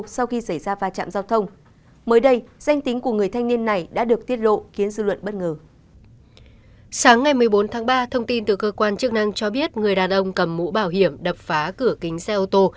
sáng ngày một mươi bốn tháng ba thông tin từ cơ quan chức năng cho biết người đàn ông cầm mũ bảo hiểm đập phá cửa kính xe ô tô